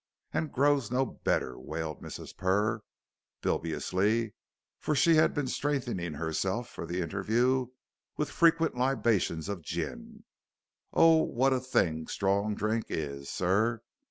"And grows no better," wailed Mrs. Purr, bibulously, for she had been strengthening herself for the interview with frequent libations of gin. "Oh, what a thing strong drink is, sir!